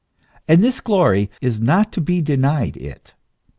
And this glory is not to be denied it.